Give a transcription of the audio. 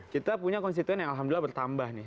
kita punya konstituen yang alhamdulillah bertambah nih